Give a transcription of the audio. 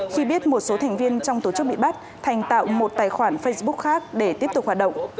khi biết một số thành viên trong tổ chức bị bắt thành tạo một tài khoản facebook khác để tiếp tục hoạt động